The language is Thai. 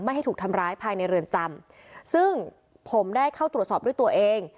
ให้ถูกทำร้ายภายในเรือนจำซึ่งผมได้เข้าตรวจสอบด้วยตัวเอง